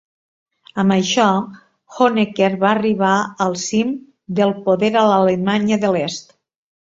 Amb això, Honecker va arribar al cim del poder a l'Alemanya de l'Est.